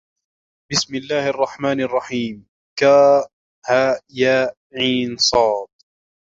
بسم الله الرحمن الرحيم كهيعص